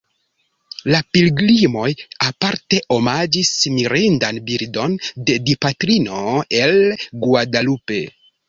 La pilgrimoj aparte omaĝis mirindan bildon de Dipatrino el Guadalupe.